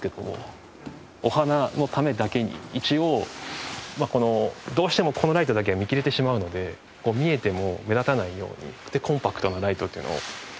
お花のためだけに一応どうしてもこのライトだけは見切れてしまうので見えても目立たないようにコンパクトなライトというのを。